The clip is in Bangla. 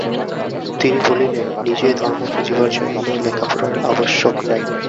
তিনি বলিলেন নিজে ধর্ম বুঝিবার জন্য লেখাপড়ার আবশ্যক নাই।